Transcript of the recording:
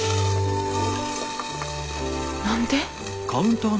何で？